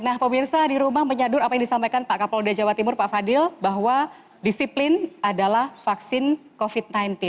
nah pemirsa di rumah menyadur apa yang disampaikan pak kapolda jawa timur pak fadil bahwa disiplin adalah vaksin covid sembilan belas